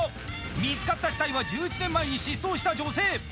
見つかった死体は１１年前に失踪した女性。